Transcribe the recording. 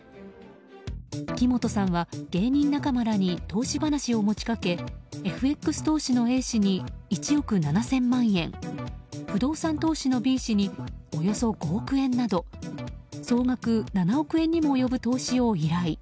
木本さんは芸人仲間らに投資話を持ち掛けＦＸ投資のＡ氏に１億７０００万円不動産投資のＢ氏におよそ５億円など総額７億円にも及ぶ投資を依頼。